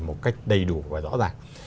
một cách đầy đủ và rõ ràng